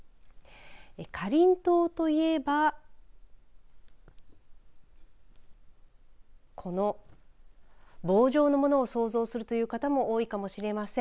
かりんとうといえばこの棒状のものを想像するという方も多いかもしれません。